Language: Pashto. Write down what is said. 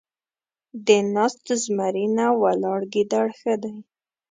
د ناست زمري نه ، ولاړ ګيدړ ښه دی.